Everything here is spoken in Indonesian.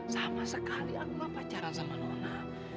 sama sekali aku gak pacaran sama nona